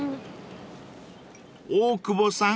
［大久保さん